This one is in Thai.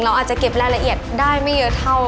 อาจจะเก็บรายละเอียดได้ไม่เยอะเท่า